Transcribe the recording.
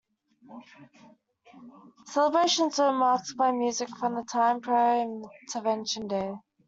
Celebrations were marked by music from the time prior intervention day.